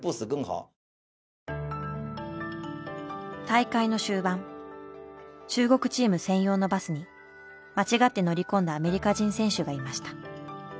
大会の終盤中国チーム専用のバスに間違って乗り込んだアメリカ人選手がいました。